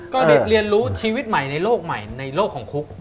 เรียนรู้ชีวิตใหม่ในโลกใหม่ในโลกของคุก